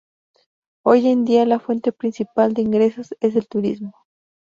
Hoy en día la fuente principal de ingresos es el turismo.